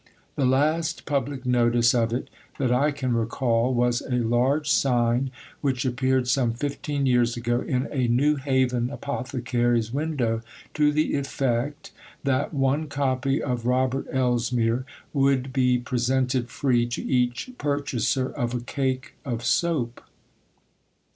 The last public notice of it that I can recall was a large sign which appeared some fifteen years ago in a New Haven apothecary's window to the effect that one copy of Robert Elsmere would be presented free to each purchaser of a cake of soap!